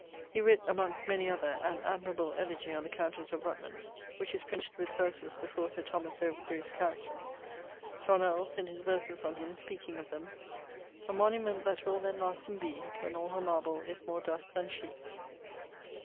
He writt (amongst many other) an admirable elegie on the countesse of Rutland, which is printed with verses before Sir Thomas Overburie's Characters. John Earles, in his verses on him, speaking of them, 'A monument that will then lasting bee, When all her marble is more dust then shee.'